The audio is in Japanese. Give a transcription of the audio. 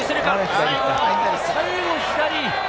最後、左。